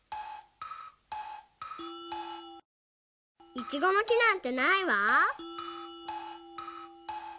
イチゴのきなんてないわ。